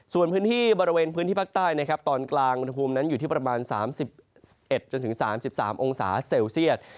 ส่วนพื้นที่บริเวณพื้นที่ภาคใต้นะครับตอนกลางอุณหภูมินั้นอยู่ที่ประมาณ๓๑๓๓องศาเซลเซียต